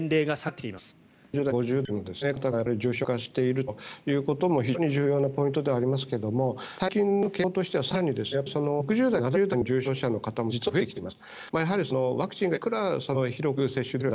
年齢が下がってきて４０代、５０代の方が重症化しているということも非常に重要なポイントではありますけど最近の傾向としては、更に６０代、７０代の重症者の方も実は増えてきています。